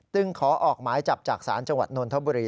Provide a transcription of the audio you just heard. ขอออกหมายจับจากศาลจังหวัดนนทบุรี